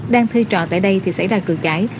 đang thư trọ tại đây thì xảy ra cửa cãi